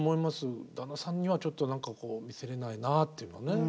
旦那さんにはちょっと何かこう見せれないなっていうのね。